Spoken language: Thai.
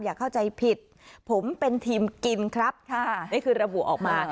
อย่าเข้าใจผิดผมเป็นทีมกินครับค่ะนี่คือระบุออกมา